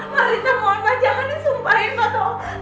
marita mohon ma jangan disumpahin ma toh